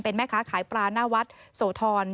แม่ค้าขายปลาหน้าวัดโสธร